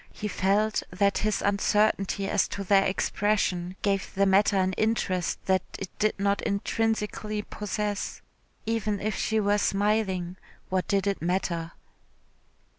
He felt that his uncertainty as to their expression gave the matter an interest that it did not intrinsically possess. Even if she were smiling, what did it matter?